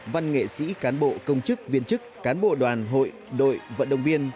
văn nghệ sĩ cán bộ công chức viên chức cán bộ đoàn hội đội vận động viên